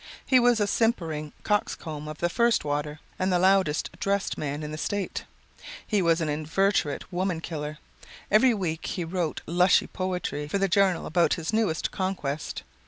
He was a simpering coxcomb of the first water, and the "loudest" dressed man in the State. He was an inveterate woman killer. Every week he wrote lushy 'poetry' for The Journal about his newest conquest.